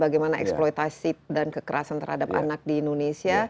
bagaimana eksploitasi dan kekerasan terhadap anak di indonesia